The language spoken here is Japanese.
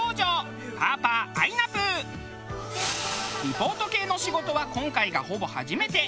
リポート系の仕事は今回がほぼ初めて。